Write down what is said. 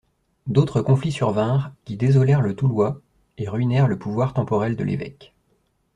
D'autres conflits survinrent, qui désolèrent le Toulois et ruinèrent le pouvoir temporel de l'évêque.